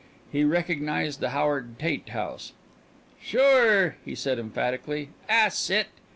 He recognized the Howard Tate house. "Sure," he said emphatically; "'at's it!